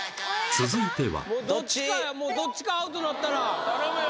続いてはどっちかアウトなったら頼むよ